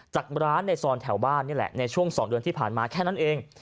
จากร้านในซอยแถวบ้านนี่แหละในช่วง๒เดือนที่ผ่านมาแค่นั้นเอง